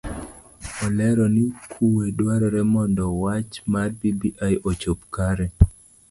Olero ni kue dwarore mondo wach mar bbi ochop kare.